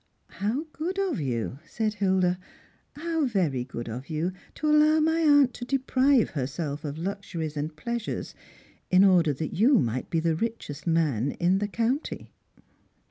" How good of you !" said Hilda ;" how very good of you, to allow my aunt to deprive herself of luxuries and pleasures in order that you may be the richest man in the county